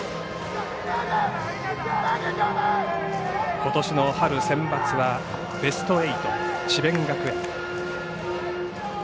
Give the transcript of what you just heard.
ことしの春センバツはベスト８智弁学園。